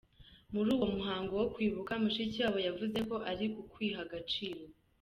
Muri uwo muhango wo kwibuka, Mushikiwabo yavuze ko ari ukwiha agaciro.